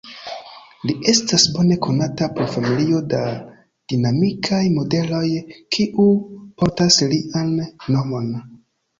Li estas bone konata pro familio da dinamikaj modeloj, kiu portas lian nomon.